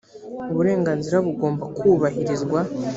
uburenganzira bugomba kubahirizwa.